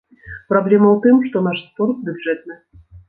Праблема ў тым, што наш спорт бюджэтны.